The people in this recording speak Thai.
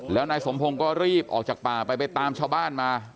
แล้วนายสมพงศ์ก็รีบออกจากป่าไปไปตามชาวบ้านมา